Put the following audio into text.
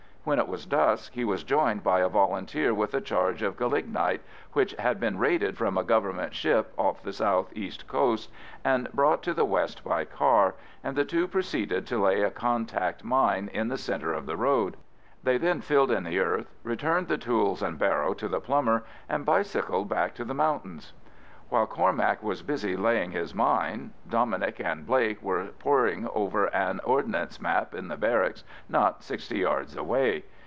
When it was dusk he was joined by a Volunteer with a charge of gelignite, which had been raided from a Government ship off the south east coast and brought to the west by car, and the two proceeded to lay a contact mine in the centre of the road. They then filled in the earth, returned the tools and barrow to the plumber, and bicycled back to the mountains. While Cormac was busy laying his mine, Dominic and Blake were poring over an Ordnance map in the barracks not sixty yards away.